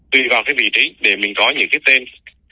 tùy vào cái vị trí để mình có những cái tên